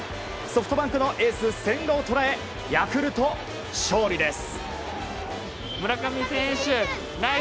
ソフトバンクのエース、千賀を捉えヤクルト、勝利です。